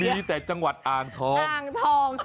มีแต่จังหวัดอ่างทอง